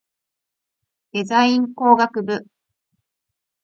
デザイン工学部